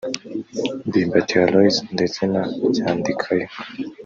Ndimbati Aloys ndetse na Ryandikayo